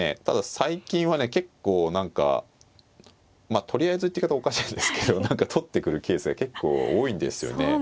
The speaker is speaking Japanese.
ただ最近はね結構何かまあとりあえずって言い方おかしいんですけど何か取ってくるケースが結構多いんですよね。